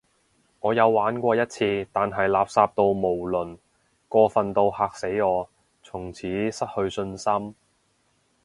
我有玩過一次，但係垃圾到無倫，過份到嚇死我，從此失去信心